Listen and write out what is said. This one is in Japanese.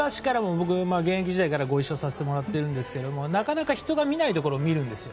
現役時代からご一緒させてもらってますがなかなか人が見ないところを見るんですよ。